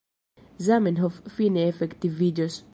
Zamenhof fine efektiviĝos.